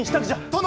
殿！